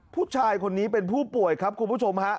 ผู้ชายคนนี้เป็นผู้ป่วยครับคุณผู้ชมฮะ